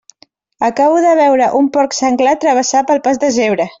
Acabo de veure un porc senglar travessar pel pas de zebra.